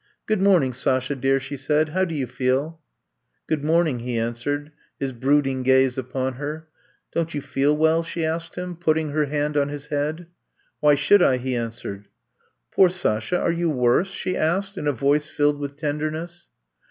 *^Good morning, Sasha, dear,'' she said. How do you feel?" '^Good mioming," he answered, his brooding gaze upon her. *^ Don't you feel well?" she asked him, putting her hand on his head. "Why should I?" he answered. "Poor Sasha, are you worse?" she asked in a voice filled with tenderness.